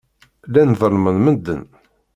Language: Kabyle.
Llan ḍellmen medden.